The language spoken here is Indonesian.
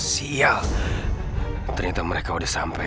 siap ternyata mereka udah sampai